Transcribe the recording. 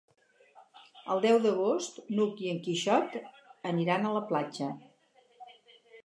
El deu d'agost n'Hug i en Quixot aniran a la platja.